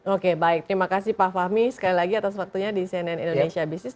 oke baik terima kasih pak fahmi sekali lagi atas waktunya di cnn indonesia business